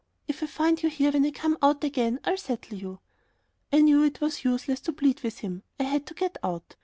If I find you here when I come out again I'll settle you." I knew it was useless to plead with him. I had to "get out."